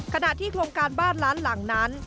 ขณะที่โครงการบ้านล้านหลังนั้น